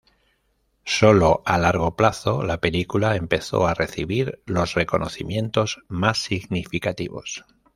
Solo a largo plazo, la película empezó a recibir los reconocimientos más significativos.